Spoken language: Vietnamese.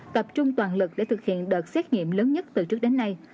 tập trung toàn lực để thực hiện đợt xét nghiệm lớn nhất từ trước đến nay